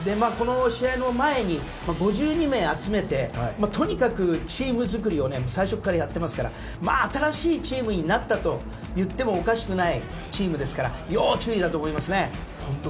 この試合の前に、５２名集めてとにかくチームづくりを最初からやっていますから新しいチームになったといってもおかしくないチームですから要注意だと思いますね。